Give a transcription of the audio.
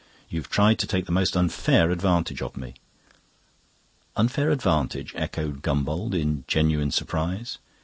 "You've tried to take the most unfair advantage of me." "Unfair advantage?" echoed Gombauld in genuine surprise.